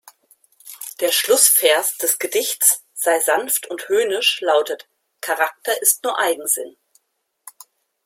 Der Schlussvers des Gedichts "Sei sanft und höhnisch" lautet: „Charakter ist nur Eigensinn.